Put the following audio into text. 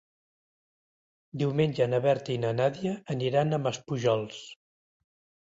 Diumenge na Berta i na Nàdia aniran a Maspujols.